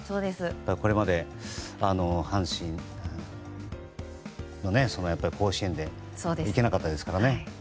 これまで阪神の甲子園行けなかったですからね。